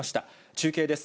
中継です。